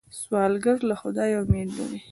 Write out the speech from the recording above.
سوالګر له خدایه امید لري